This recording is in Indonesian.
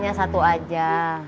t nya satu aja